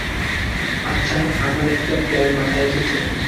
আচ্ছা, আমার একটা প্ল্যান মাথায় এসেছে।